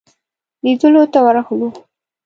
لیدلو ته ورغلو.